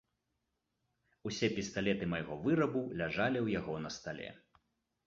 Усе пісталеты майго вырабу ляжалі ў яго на стале.